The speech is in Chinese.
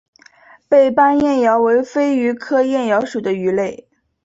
背斑燕鳐为飞鱼科燕鳐属的鱼类。